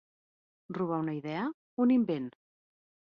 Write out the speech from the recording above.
Robar una idea, un invent.